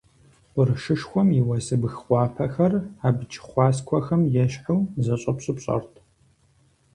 Къуршышхуэм и уэсыбг къуапэхэр, абдж хъуаскуэхэм ещхьу, зэщӀэпщӀыпщӀэрт.